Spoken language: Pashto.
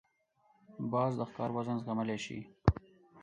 باز د ښکار وزن زغملای شي